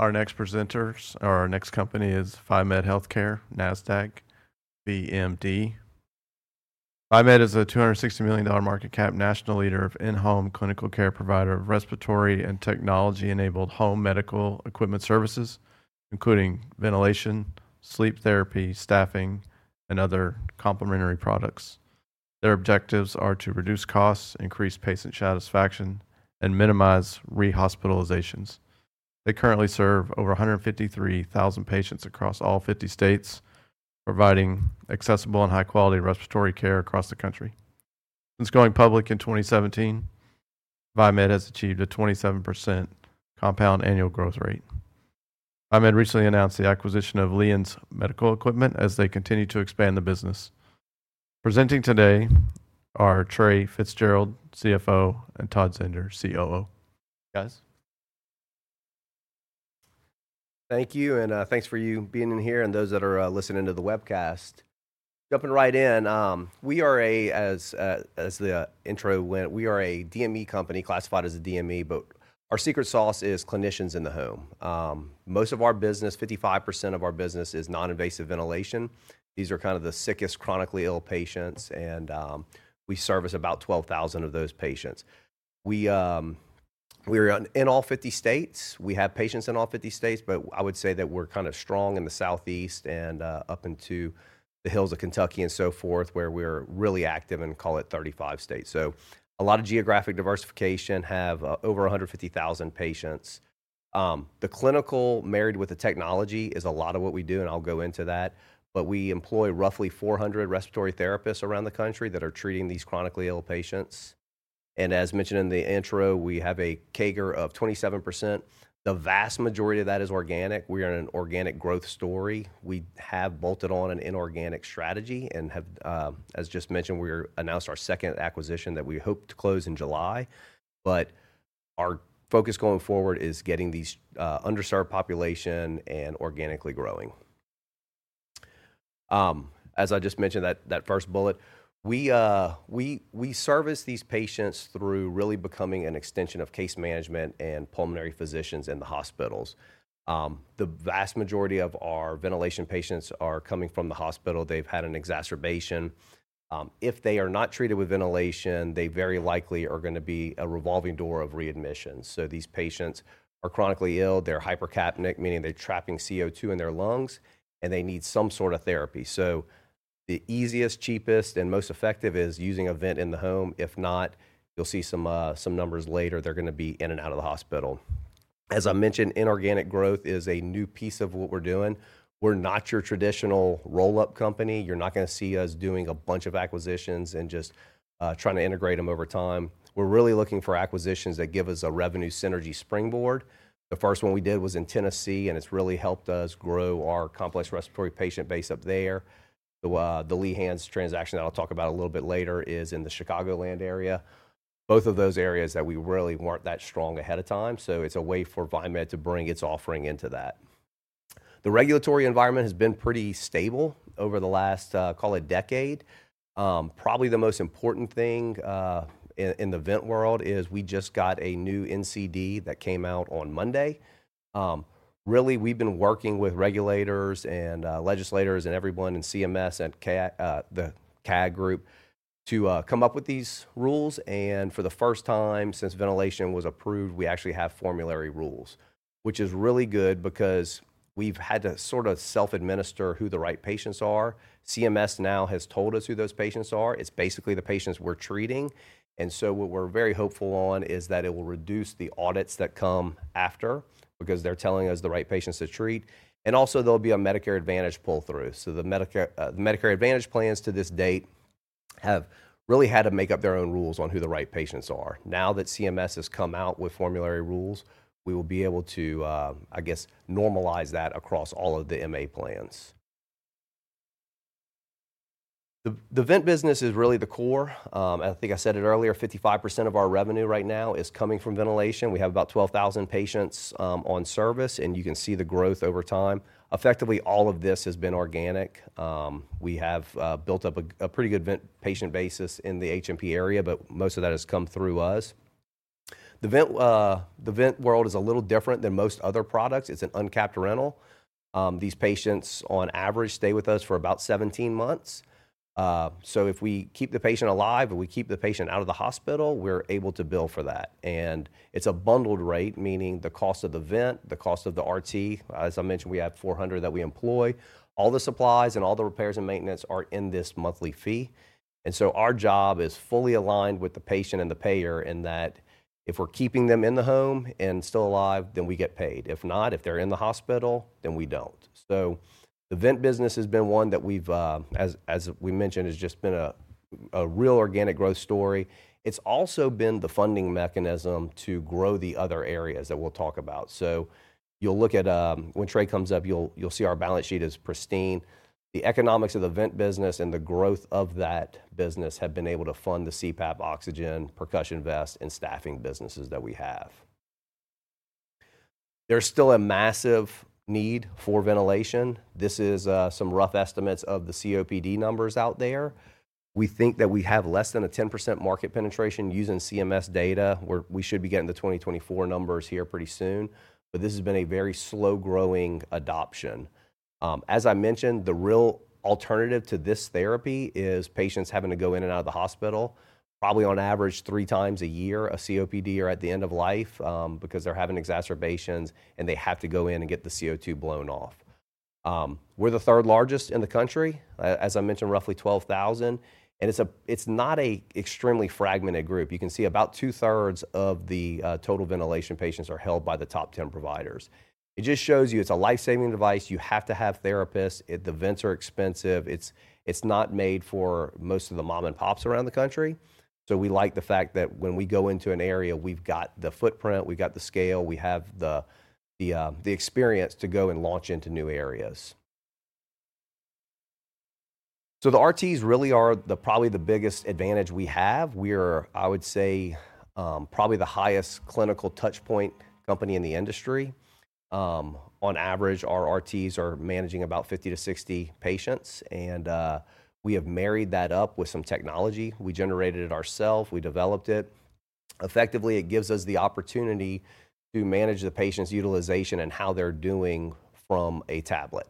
Whatever. Our next presenters, or our next company is VieMed Healthcare, NASDAQ: VMD. VieMed is a $260 million market cap national leader of in-home clinical care provider of respiratory and technology-enabled home medical equipment services, including ventilation, sleep therapy, staffing, and other complementary products. Their objectives are to reduce costs, increase patient satisfaction, and minimize re-hospitalizations. They currently serve over 153,000 patients across all 50 states, providing accessible and high-quality respiratory care across the country. Since going public in 2017, VieMed has achieved a 27% compound annual growth rate. VieMed recently announced the acquisition of Lehans Medical Equipment as they continue to expand the business. Presenting today are Trae Fitzgerald, CFO, and Todd Zehnder, COO. Thank you. Thank you, and thanks for you being in here, and those that are listening to the webcast. Jumping right in, we are a, as the intro went, we are a DME company, classified as a DME, but our secret sauce is clinicians in the home. Most of our business, 55% of our business, is non-invasive ventilation. These are kind of the sickest, chronically ill patients, and we service about 12,000 of those patients. We are in all 50 states. We have patients in all 50 states, but I would say that we're kind of strong in the Southeast and up into the hills of Kentucky and so forth, where we're really active in, call it, 35 states. A lot of geographic diversification, have over 150,000 patients. The clinical married with the technology is a lot of what we do, and I'll go into that, but we employ roughly 400 respiratory therapists around the country that are treating these chronically ill patients. As mentioned in the intro, we have a CAGR of 27%. The vast majority of that is organic. We are an organic growth story. We have bolted on an inorganic strategy and have, as just mentioned, we announced our second acquisition that we hope to close in July, but our focus going forward is getting these underserved population and organically growing. As I just mentioned that first bullet, we service these patients through really becoming an extension of case management and pulmonary physicians in the hospitals. The vast majority of our ventilation patients are coming from the hospital. They've had an exacerbation. If they are not treated with ventilation, they very likely are going to be a revolving door of readmissions. These patients are chronically ill. They're hypercapnic, meaning they're trapping CO2 in their lungs, and they need some sort of therapy. The easiest, cheapest, and most effective is using a vent in the home. If not, you'll see some numbers later. They're going to be in and out of the hospital. As I mentioned, inorganic growth is a new piece of what we're doing. We're not your traditional roll-up company. You're not going to see us doing a bunch of acquisitions and just trying to integrate them over time. We're really looking for acquisitions that give us a revenue synergy springboard. The first one we did was in Tennessee, and it's really helped us grow our complex respiratory patient base up there. The Lehans transaction that I'll talk about a little bit later is in the Chicagoland area. Both of those areas that we really weren't that strong ahead of time, so it's a way for VieMed to bring its offering into that. The regulatory environment has been pretty stable over the last, call it, decade. Probably the most important thing in the vent world is we just got a new NCD that came out on Monday. Really, we've been working with regulators and legislators and everyone in CMS and the CAG group to come up with these rules. For the first time since ventilation was approved, we actually have formulary rules, which is really good because we've had to sort of self-administer who the right patients are. CMS now has told us who those patients are. It's basically the patients we're treating. What we're very hopeful on is that it will reduce the audits that come after because they're telling us the right patients to treat. Also, there'll be a Medicare Advantage pull-through. The Medicare Advantage plans to this date have really had to make up their own rules on who the right patients are. Now that CMS has come out with formulary rules, we will be able to, I guess, normalize that across all of the MA plans. The vent business is really the core. I think I said it earlier, 55% of our revenue right now is coming from ventilation. We have about 12,000 patients on service, and you can see the growth over time. Effectively, all of this has been organic. We have built up a pretty good vent patient basis in the H&P area, but most of that has come through us. The vent world is a little different than most other products. It's an uncapped rental. These patients, on average, stay with us for about 17 months. If we keep the patient alive and we keep the patient out of the hospital, we're able to bill for that. It's a bundled rate, meaning the cost of the vent, the cost of the RT. As I mentioned, we have 400 that we employ. All the supplies and all the repairs and maintenance are in this monthly fee. Our job is fully aligned with the patient and the payer in that if we're keeping them in the home and still alive, then we get paid. If not, if they're in the hospital, then we don't. The vent business has been one that we've, as we mentioned, has just been a real organic growth story.It's also been the funding mechanism to grow the other areas that we'll talk about. You'll look at when Trae comes up, you'll see our balance sheet is pristine. The economics of the vent business and the growth of that business have been able to fund the CPAP, oxygen, percussion vest, and staffing businesses that we have. There's still a massive need for ventilation. This is some rough estimates of the COPD numbers out there. We think that we have less than a 10% market penetration using CMS data. We should be getting the 2024 numbers here pretty soon, but this has been a very slow-growing adoption. As I mentioned, the real alternative to this therapy is patients having to go in and out of the hospital, probably on average three times a year, a COPD or at the end of life because they're having exacerbations and they have to go in and get the CO2 blown off. We're the third largest in the country, as I mentioned, roughly 12,000, and it's not an extremely fragmented group. You can see about 2/3 of the total ventilation patients are held by the top 10 providers. It just shows you it's a lifesaving device. You have to have therapists. The vents are expensive. It's not made for most of the mom-and-pops around the country. We like the fact that when we go into an area, we've got the footprint, we've got the scale, we have the experience to go and launch into new areas. The RTs really are probably the biggest advantage we have. We are, I would say, probably the highest clinical touchpoint company in the industry. On average, our RTs are managing about 50-60 patients, and we have married that up with some technology. We generated it ourselves. We developed it. Effectively, it gives us the opportunity to manage the patient's utilization and how they're doing from a tablet.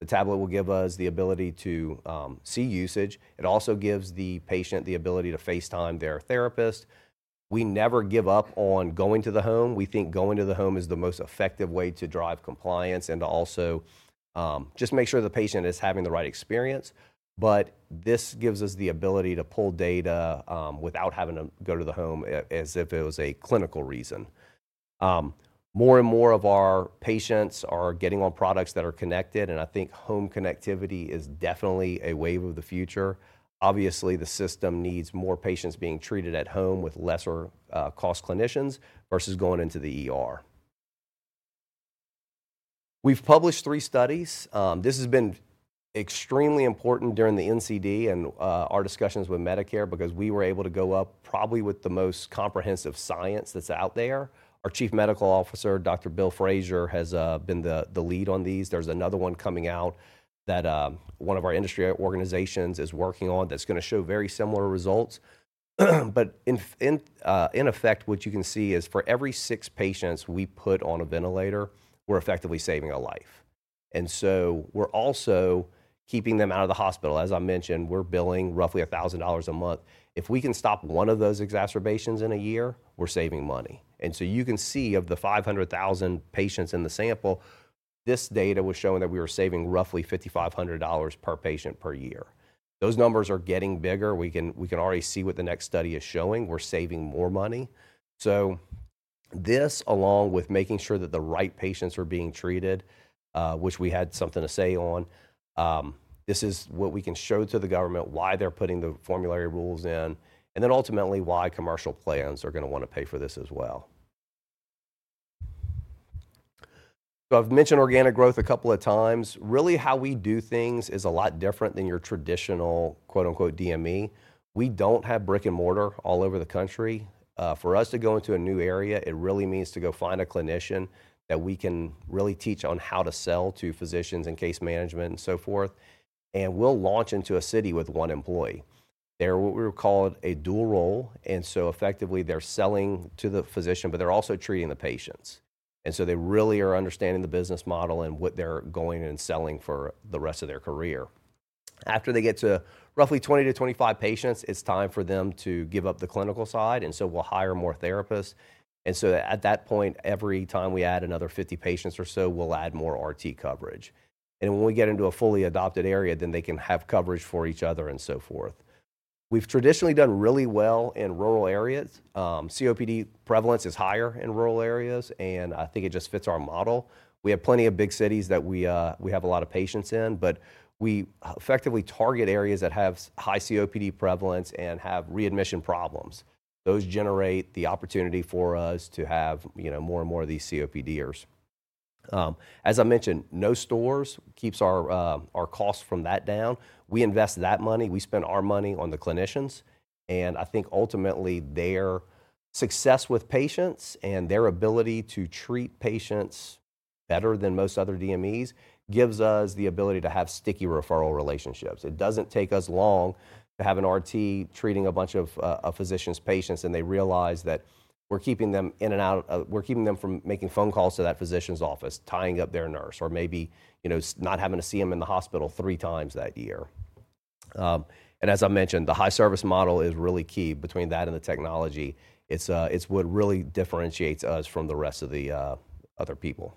The tablet will give us the ability to see usage. It also gives the patient the ability to FaceTime their therapist. We never give up on going to the home. We think going to the home is the most effective way to drive compliance and to also just make sure the patient is having the right experience. This gives us the ability to pull data without having to go to the home as if it was a clinical reason. More and more of our patients are getting on products that are connected, and I think home connectivity is definitely a wave of the future. Obviously, the system needs more patients being treated at home with lesser-cost clinicians versus going into the hospital. We have published three studies. This has been extremely important during the NCD and our discussions with Medicare because we were able to go up probably with the most comprehensive science that is out there. Our Chief Medical Officer, Dr. Bill Fraser, has been the lead on these. There is another one coming out that one of our industry organizations is working on that is going to show very similar results.In effect, what you can see is for every six patients we put on a ventilator, we're effectively saving a life. We're also keeping them out of the hospital. As I mentioned, we're billing roughly $1,000 a month. If we can stop one of those exacerbations in a year, we're saving money. You can see of the 500,000 patients in the sample, this data was showing that we were saving roughly $5,500 per patient per year. Those numbers are getting bigger. We can already see what the next study is showing. We're saving more money. This, along with making sure that the right patients are being treated, which we had something to say on, this is what we can show to the government why they're putting the formulary rules in, and then ultimately why commercial plans are going to want to pay for this as well. I've mentioned organic growth a couple of times. Really, how we do things is a lot different than your traditional, "DME". We don't have brick and mortar all over the country. For us to go into a new area, it really means to go find a clinician that we can really teach on how to sell to physicians and case management and so forth. We'll launch into a city with one employee. They're what we would call a dual role. Effectively, they're selling to the physician, but they're also treating the patients. They really are understanding the business model and what they're going and selling for the rest of their career. After they get to roughly 20-25 patients, it's time for them to give up the clinical side. We'll hire more therapists. At that point, every time we add another 50 patients or so, we'll add more RT coverage. When we get into a fully adopted area, they can have coverage for each other and so forth. We've traditionally done really well in rural areas. COPD prevalence is higher in rural areas, and I think it just fits our model. We have plenty of big cities that we have a lot of patients in, but we effectively target areas that have high COPD prevalence and have readmission problems. Those generate the opportunity for us to have more and more of these COPDers. As I mentioned, no stores keeps our costs from that down. We invest that money. We spend our money on the clinicians. I think ultimately, their success with patients and their ability to treat patients better than most other DMEs gives us the ability to have sticky referral relationships. It doesn't take us long to have an RT treating a bunch of physicians' patients, and they realize that we're keeping them in and out. We're keeping them from making phone calls to that physician's office, tying up their nurse, or maybe not having to see them in the hospital three times that year. As I mentioned, the high-service model is really key between that and the technology. It's what really differentiates us from the rest of the other people.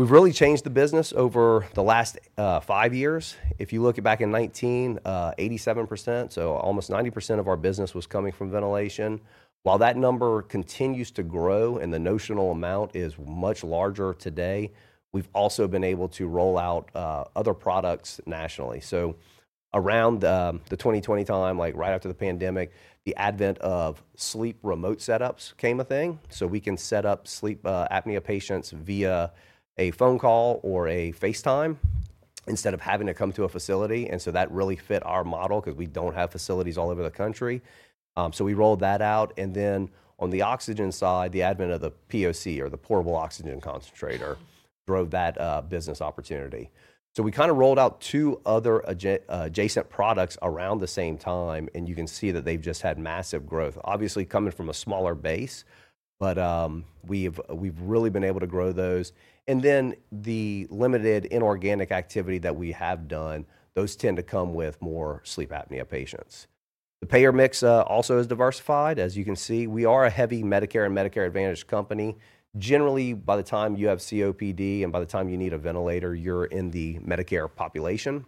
We've really changed the business over the last five years. If you look back in 2019, 87%, so almost 90% of our business was coming from ventilation. While that number continues to grow and the notional amount is much larger today, we've also been able to roll out other products nationally. Around the 2020 time, right after the pandemic, the advent of sleep remote setups became a thing. We can set up sleep apnea patients via a phone call or a FaceTime instead of having to come to a facility. That really fit our model because we do not have facilities all over the country. We rolled that out. On the oxygen side, the advent of the POC, or the portable oxygen concentrator, drove that business opportunity. We kind of rolled out two other adjacent products around the same time, and you can see that they've just had massive growth, obviously coming from a smaller base, but we've really been able to grow those. The limited inorganic activity that we have done, those tend to come with more sleep apnea patients. The payer mix also is diversified. As you can see, we are a heavy Medicare and Medicare Advantage company. Generally, by the time you have COPD and by the time you need a ventilator, you're in the Medicare population.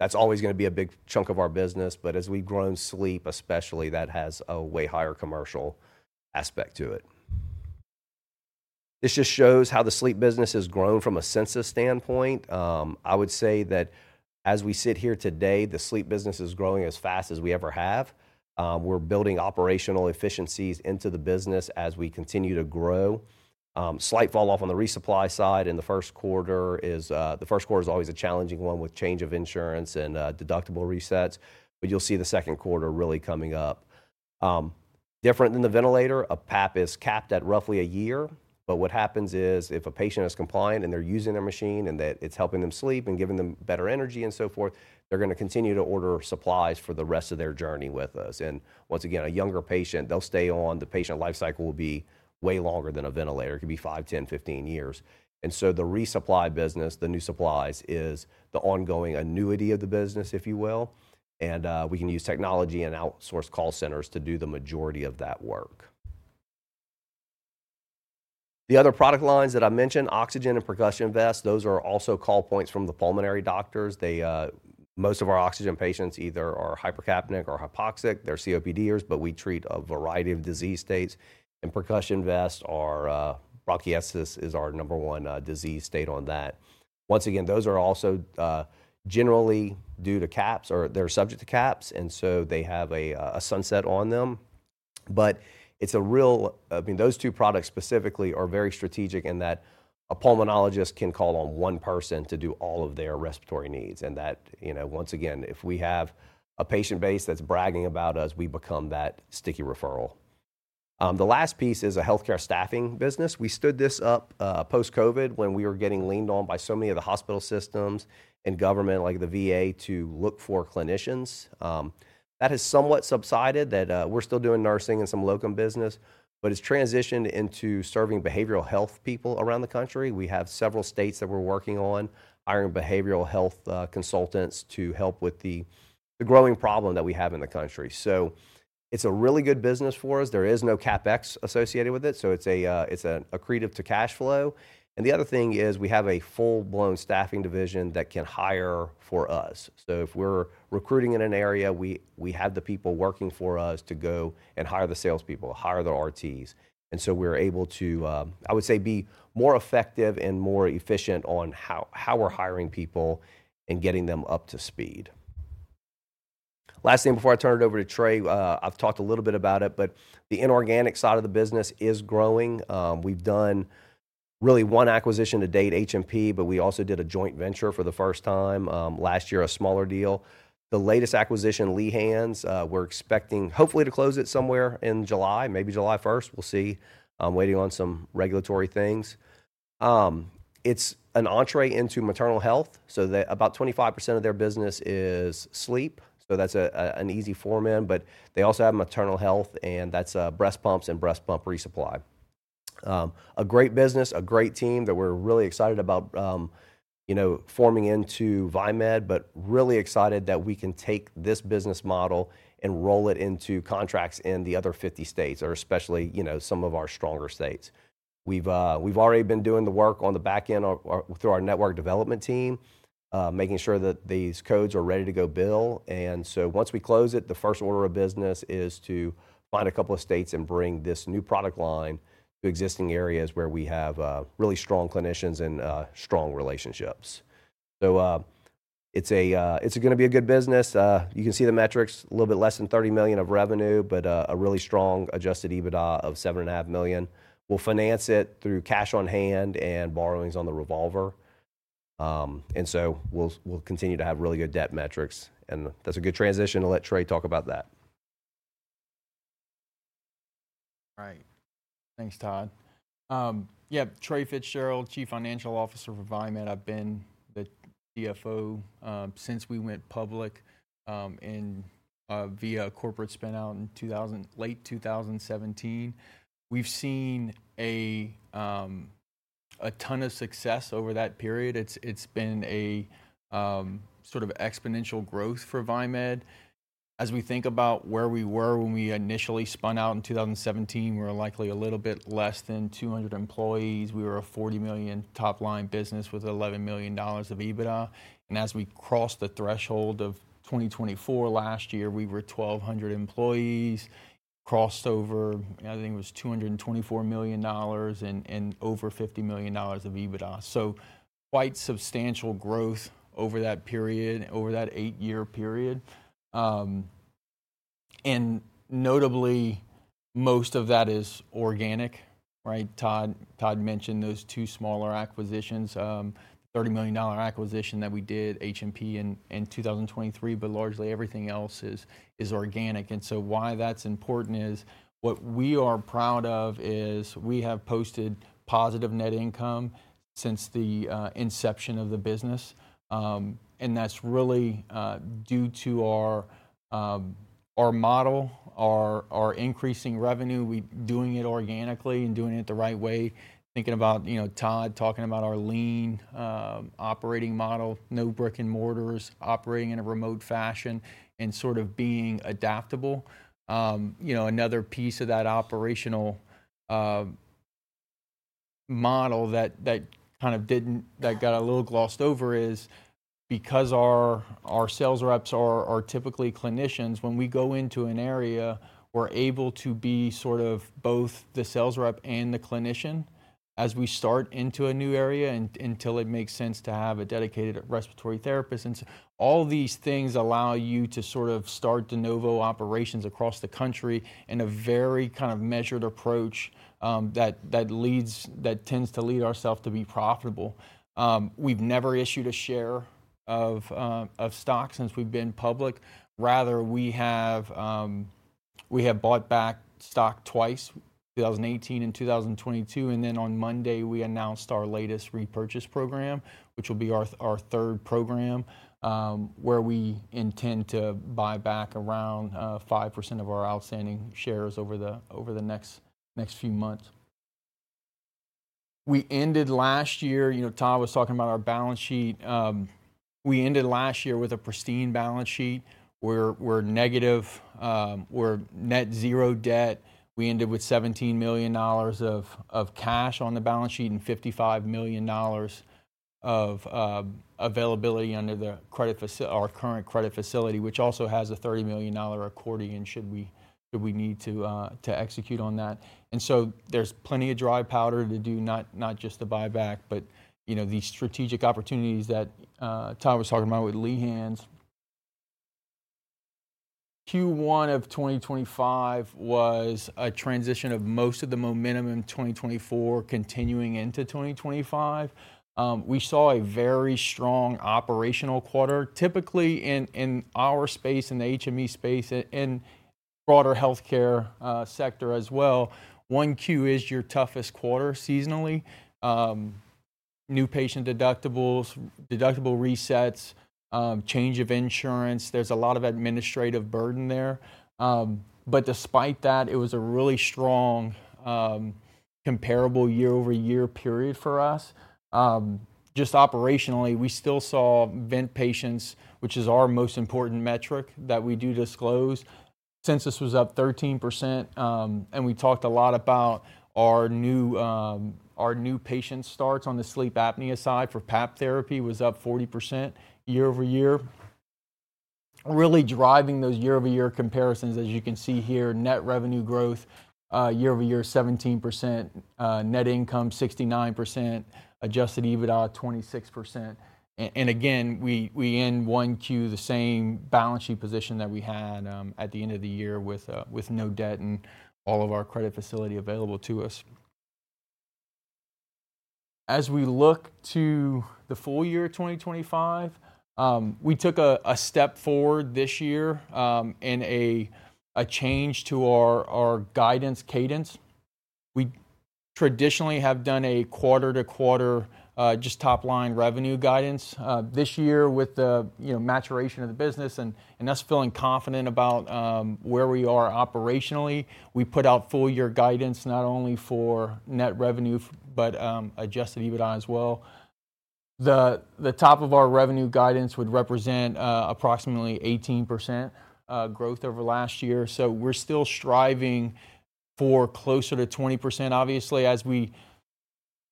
That's always going to be a big chunk of our business. As we've grown sleep, especially, that has a way higher commercial aspect to it. This just shows how the sleep business has grown from a census standpoint. I would say that as we sit here today, the sleep business is growing as fast as we ever have. We're building operational efficiencies into the business as we continue to grow. Slight falloff on the resupply side in the first quarter is always a challenging one with change of insurance and deductible resets, but you'll see the second quarter really coming up. Different than the ventilator, a PAP is capped at roughly a year. What happens is if a patient is compliant and they're using their machine and it's helping them sleep and giving them better energy and so forth, they're going to continue to order supplies for the rest of their journey with us. Once again, a younger patient, they'll stay on. The patient lifecycle will be way longer than a ventilator. It could be 5, 10, 15 years. The resupply business, the new supplies, is the ongoing annuity of the business, if you will. We can use technology and outsource call centers to do the majority of that work. The other product lines that I mentioned, oxygen and percussion vests, those are also call points from the pulmonary doctors. Most of our oxygen patients either are hypercapnic or hypoxic. They're COPDers, but we treat a variety of disease states. Percussion vests are bronchiectasis is our number one disease state on that. Once again, those are also generally due to caps or they're subject to caps, and so they have a sunset on them. I mean, those two products specifically are very strategic in that a pulmonologist can call on one person to do all of their respiratory needs. If we have a patient base that's bragging about us, we become that sticky referral. The last piece is a healthcare staffing business. We stood this up post-COVID when we were getting leaned on by so many of the hospital systems and government like the VA to look for clinicians. That has somewhat subsided. We're still doing nursing and some locum business, but it's transitioned into serving behavioral health people around the country. We have several states that we're working on hiring behavioral health consultants to help with the growing problem that we have in the country. It is a really good business for us. There is no CapEx associated with it, so it's accretive to cash flow. The other thing is we have a full-blown staffing division that can hire for us. If we're recruiting in an area, we have the people working for us to go and hire the salespeople, hire the RTs. We're able to, I would say, be more effective and more efficient on how we're hiring people and getting them up to speed. Last thing before I turn it over to Trae, I've talked a little bit about it, but the inorganic side of the business is growing. We've done really one acquisition to date, H&P, but we also did a joint venture for the first time last year, a smaller deal. The latest acquisition, Lehans, we're expecting hopefully to close it somewhere in July, maybe July 1. We'll see. I'm waiting on some regulatory things. It's an entry into maternal health. About 25% of their business is sleep. That's an easy foreman, but they also have maternal health, and that's breast pumps and breast pump resupply. A great business, a great team that we're really excited about forming into VieMed, but really excited that we can take this business model and roll it into contracts in the other 50 states or especially some of our stronger states. We've already been doing the work on the back end through our network development team, making sure that these codes are ready to go bill. Once we close it, the first order of business is to find a couple of states and bring this new product line to existing areas where we have really strong clinicians and strong relationships. It's going to be a good business. You can see the metrics, a little bit less than $30 million of revenue, but a really strong adjusted EBITDA of $7.5 million. We'll finance it through cash on hand and borrowings on the revolver. We'll continue to have really good debt metrics. That's a good transition to let Trae talk about that. All right. Thanks, Todd. Yeah, Trae Fitzgerald, Chief Financial Officer for VieMed. I've been the CFO since we went public via a corporate spin-out in late 2017. We've seen a ton of success over that period. It's been a sort of exponential growth for VieMed. As we think about where we were when we initially spun out in 2017, we were likely a little bit less than 200 employees. We were a $40 million top-line business with $11 million of EBITDA. As we crossed the threshold of 2024 last year, we were 1,200 employees, crossed over, I think it was $224 million and over $50 million of EBITDA. Quite substantial growth over that period, over that eight-year period. Notably, most of that is organic. Right, Todd mentioned those two smaller acquisitions, the $30 million acquisition that we did, H&P in 2023, but largely everything else is organic. Why that's important is what we are proud of is we have posted positive net income since the inception of the business. That's really due to our model, our increasing revenue, doing it organically and doing it the right way, thinking about Todd talking about our lean operating model, no brick and mortars, operating in a remote fashion and sort of being adaptable. Another piece of that operational model that kind of got a little glossed over is because our sales reps are typically clinicians, when we go into an area, we're able to be sort of both the sales rep and the clinician as we start into a new area until it makes sense to have a dedicated respiratory therapist. All these things allow you to sort of start de novo operations across the country in a very kind of measured approach that tends to lead ourselves to be profitable. We've never issued a share of stock since we've been public. Rather, we have bought back stock twice, 2018 and 2022. On Monday, we announced our latest repurchase program, which will be our third program, where we intend to buy back around 5% of our outstanding shares over the next few months. We ended last year—Todd was talking about our balance sheet—we ended last year with a pristine balance sheet. We're net zero debt. We ended with $17 million of cash on the balance sheet and $55 million of availability under our current credit facility, which also has a $30 million accordion should we need to execute on that. There is plenty of dry powder to do, not just to buy back, but these strategic opportunities that Todd was talking about with Lehans. Q1 of 2025 was a transition of most of the momentum in 2024 continuing into 2025. We saw a very strong operational quarter. Typically, in our space, in the H&P space, and broader healthcare sector as well, Q1 is your toughest quarter seasonally. New patient deductibles, deductible resets, change of insurance. There is a lot of administrative burden there. Despite that, it was a really strong comparable year-over-year period for us. Just operationally, we still saw vent patients, which is our most important metric that we do disclose. Census was up 13%. We talked a lot about our new patient starts on the sleep apnea side for PAP therapy was up 40% year-over-year. Really driving those year-over-year comparisons, as you can see here, net revenue growth year-over-year 17%, net income 69%, adjusted EBITDA 26%. Again, we end one Q the same balance sheet position that we had at the end of the year with no debt and all of our credit facility available to us. As we look to the full year of 2025, we took a step forward this year in a change to our guidance cadence. We traditionally have done a quarter-to-quarter just top-line revenue guidance. This year, with the maturation of the business and us feeling confident about where we are operationally, we put out full-year guidance not only for net revenue, but adjusted EBITDA as well. The top of our revenue guidance would represent approximately 18% growth over last year. We're still striving for closer to 20%, obviously, as it was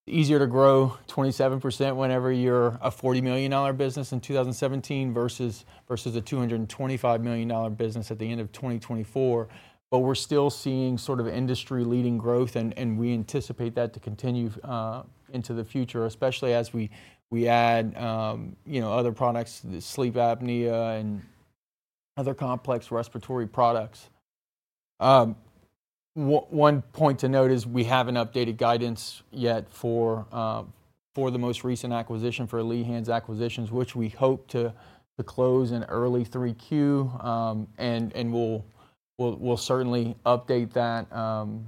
easier to grow 27% whenever you're a $40 million business in 2017 versus a $225 million business at the end of 2024. We're still seeing sort of industry-leading growth, and we anticipate that to continue into the future, especially as we add other products, sleep apnea and other complex respiratory products. One point to note is we haven't updated guidance yet for the most recent acquisition for Lehans Medical Equipment, which we hope to close in early 3Q. We'll certainly update that on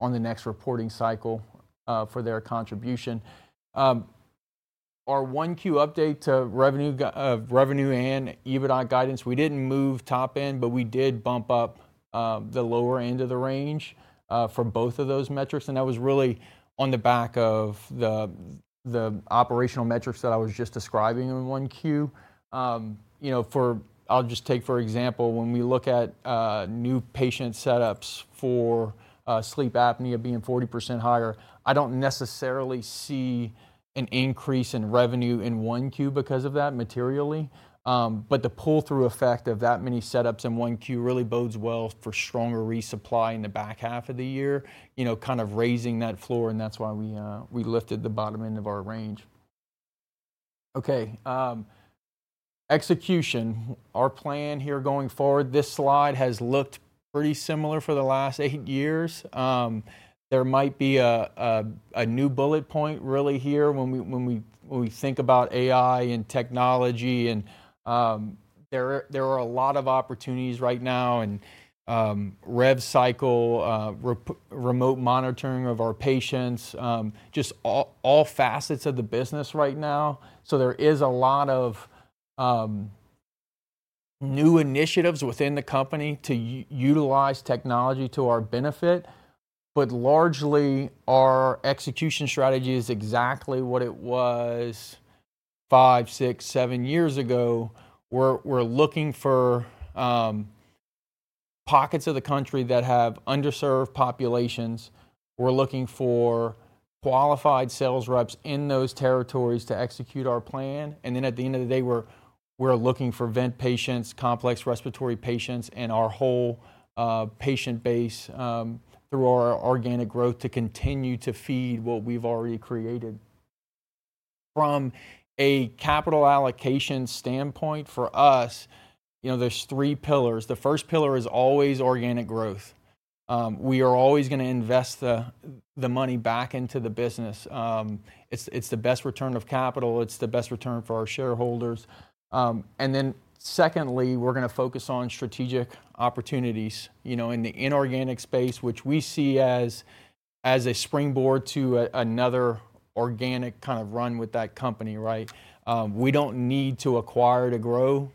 the next reporting cycle for their contribution. Our 1Q update to revenue and EBITDA guidance, we didn't move top end, but we did bump up the lower end of the range for both of those metrics. That was really on the back of the operational metrics that I was just describing in 1Q. I'll just take for example, when we look at new patient setups for sleep apnea being 40% higher, I don't necessarily see an increase in revenue in 1Q because of that materially. The pull-through effect of that many setups in 1Q really bodes well for stronger resupply in the back half of the year, kind of raising that floor. That is why we lifted the bottom end of our range. Execution. Our plan here going forward, this slide has looked pretty similar for the last eight years. There might be a new bullet point really here when we think about AI and technology. There are a lot of opportunities right now in rev cycle, remote monitoring of our patients, just all facets of the business right now. There are a lot of new initiatives within the company to utilize technology to our benefit. Largely, our execution strategy is exactly what it was five, six, seven years ago. We're looking for pockets of the country that have underserved populations. We're looking for qualified sales reps in those territories to execute our plan. At the end of the day, we're looking for vent patients, complex respiratory patients, and our whole patient base through our organic growth to continue to feed what we've already created. From a capital allocation standpoint for us, there are three pillars. The first pillar is always organic growth. We are always going to invest the money back into the business. It's the best return of capital. It's the best return for our shareholders. Secondly, we're going to focus on strategic opportunities in the inorganic space, which we see as a springboard to another organic kind of run with that company. Right? We don't need to acquire to grow.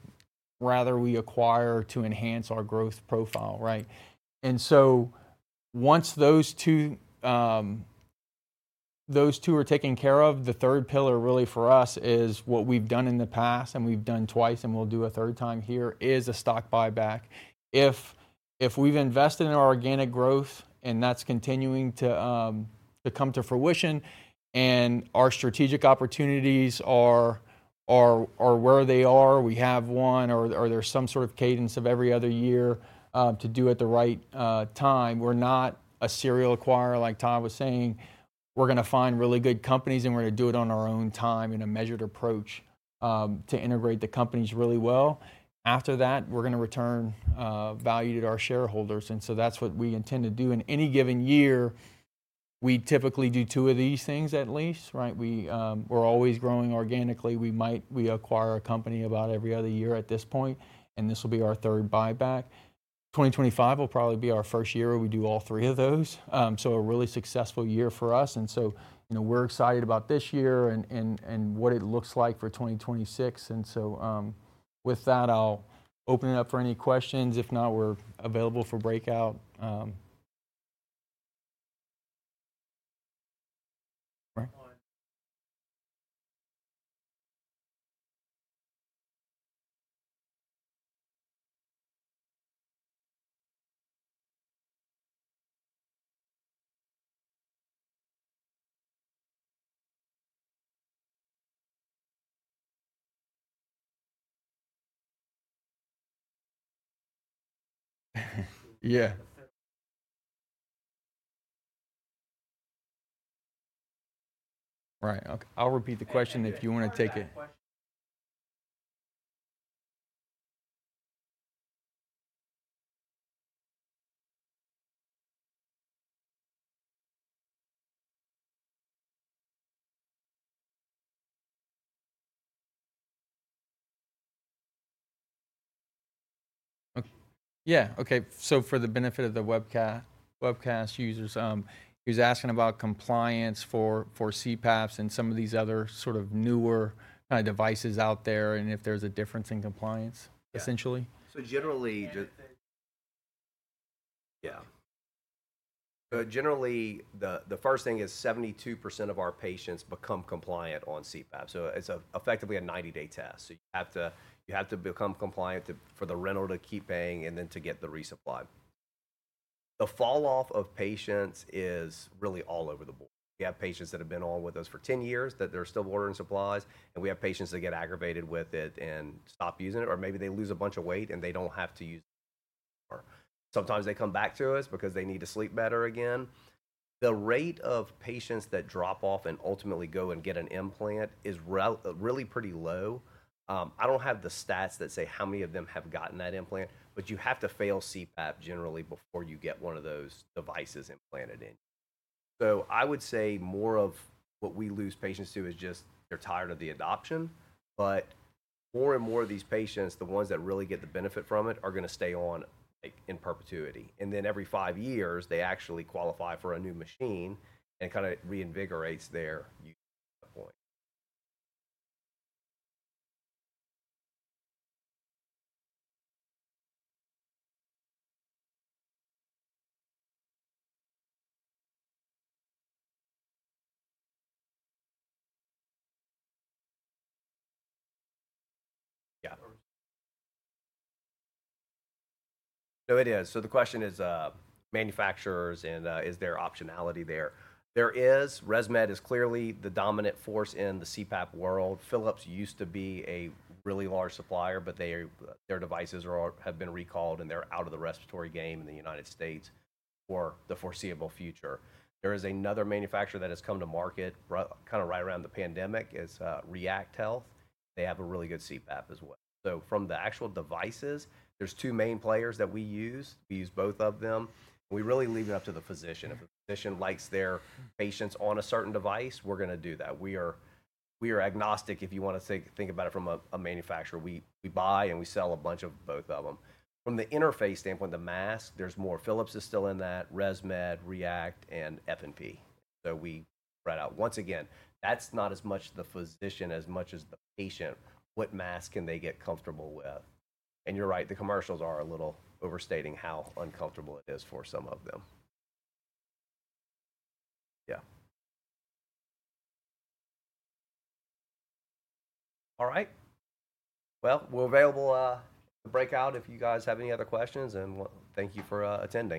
Rather, we acquire to enhance our growth profile. Right? Once those two are taken care of, the third pillar really for us is what we've done in the past and we've done twice and we'll do a third time here is a stock buyback. If we've invested in our organic growth and that's continuing to come to fruition and our strategic opportunities are where they are, we have one or there's some sort of cadence of every other year to do at the right time. We're not a serial acquirer like Todd was saying. We're going to find really good companies and we're going to do it on our own time in a measured approach to integrate the companies really well. After that, we're going to return value to our shareholders. That is what we intend to do. In any given year, we typically do two of these things at least. Right? We're always growing organically. We acquire a company about every other year at this point. This will be our third buyback. 2025 will probably be our first year we do all three of those. A really successful year for us. We're excited about this year and what it looks like for 2026. With that, I'll open it up for any questions. If not, we're available for breakout. Yeah. Right. I'll repeat the question if you want to take it. Yeah. Okay. For the benefit of the webcast users, he was asking about compliance for CPAPs and some of these other sort of newer kind of devices out there and if there's a difference in compliance, essentially. Generally, yeah. Generally, the first thing is 72% of our patients become compliant on CPAP. It's effectively a 90-day test. You have to become compliant for the rental to keep paying and then to get the resupply. The falloff of patients is really all over the board. We have patients that have been on with us for 10 years that they're still ordering supplies. We have patients that get aggravated with it and stop using it, or maybe they lose a bunch of weight and they don't have to use it. Sometimes they come back to us because they need to sleep better again. The rate of patients that drop off and ultimately go and get an implant is really pretty low. I don't have the stats that say how many of them have gotten that implant, but you have to fail CPAP generally before you get one of those devices implanted in. I would say more of what we lose patients to is just they're tired of the adoption. More and more of these patients, the ones that really get the benefit from it, are going to stay on in perpetuity. Every five years, they actually qualify for a new machine and kind of reinvigorates their use at that point. Yeah. The question is, manufacturers and is there optionality there? There is. ResMed is clearly the dominant force in the CPAP world. Philips used to be a really large supplier, but their devices have been recalled and they're out of the respiratory game in the United States for the foreseeable future. There is another manufacturer that has come to market kind of right around the pandemic. It's React Health. They have a really good CPAP as well. From the actual devices, there are two main players that we use. We use both of them. We really leave it up to the physician. If a physician likes their patients on a certain device, we're going to do that. We are agnostic if you want to think about it from a manufacturer. We buy and we sell a bunch of both of them. From the interface standpoint, the mask, there's more. Philips is still in that, ResMed, React, and F&P. We spread out. Once again, that's not as much the physician as much as the patient. What mask can they get comfortable with? You're right, the commercials are a little overstating how uncomfortable it is for some of them. Yeah. All right. We are available at the breakout if you guys have any other questions. Thank you for attending.